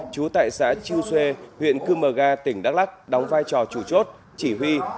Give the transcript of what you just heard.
trú tại xã chiêu xê huyện cư mờ ga tỉnh đắk lắc đóng vai trò chủ chốt chỉ huy